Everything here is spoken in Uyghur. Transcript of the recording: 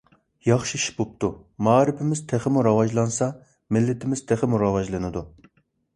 ياخشى ئىش بوپتۇ. مائارىپىمىز تېخىمۇ راۋاجلانسا مىللىتىمىز تېخىمۇ راۋاجلىنىدۇ.